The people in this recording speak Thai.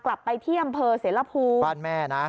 กลับไปที่อำเภอเสรภูมิบ้านแม่นะ